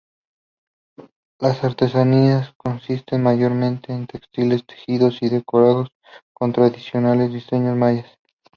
Las artesanías consisten mayormente en textiles tejidos y decorados con tradicionales diseños mayas.